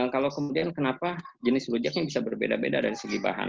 kalau kemudian kenapa jenis rujaknya bisa berbeda beda dari segi bahan